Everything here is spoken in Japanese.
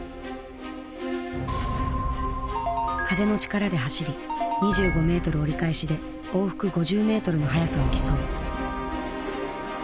風の力で走り２５メートル折り返しで往復５０メートルの速さを競う。